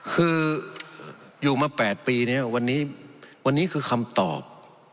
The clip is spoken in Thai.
คืออยู่มา๘ปีเนี่ยวันนี้คือคำตอบ